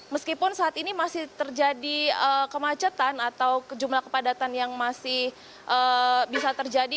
meskipun saat ini masih terjadi kemacetan atau jumlah kepadatan yang masih bisa terjadi